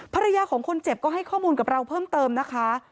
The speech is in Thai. ภรรยาของคนเจ็บก็ให้ข้อมูลกับเราเพิ่มเติมนะคะ